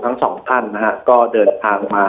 วันนี้แม่ช่วยเงินมากกว่า